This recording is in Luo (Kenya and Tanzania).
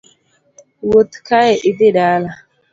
Wuoth kae idhi dala.